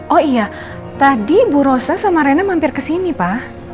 oh iya tadi bu rosa sama rena mampir ke sini pak